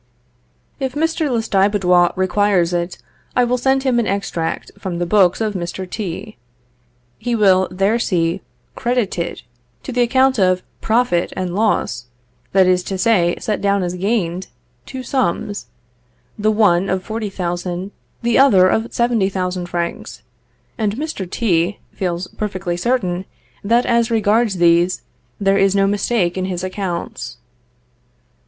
If Mr. Lestiboudois requires it, I will send him an extract from the books of Mr. T... He will there see, credited to the account of profit and loss, that is to say, set down as gained, two sums; the one of 40,000, the other of 70,000 francs, and Mr. T ... feels perfectly certain that as regards these, there is no mistake in his accounts.